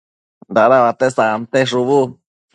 dada uate sante shubu